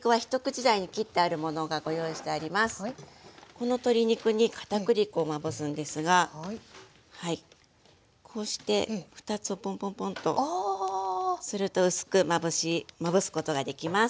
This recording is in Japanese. この鶏肉に片栗粉をまぶすんですがこうして２つをポンポンポンとすると薄くまぶすことができます。